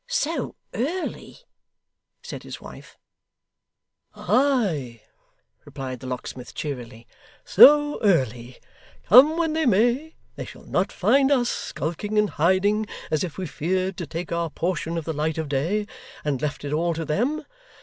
'So early!' said his wife. 'Ay,' replied the locksmith cheerily, 'so early. Come when they may, they shall not find us skulking and hiding, as if we feared to take our portion of the light of day, and left it all to them.